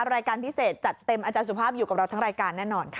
รายการพิเศษจัดเต็มอาจารย์สุภาพอยู่กับเราทั้งรายการแน่นอนค่ะ